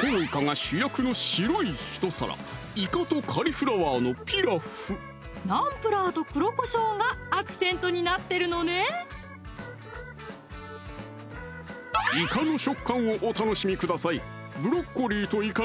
コウイカが主役の白いひと皿ナンプラーと黒こしょうがアクセントになってるのねいかの食感をお楽しみください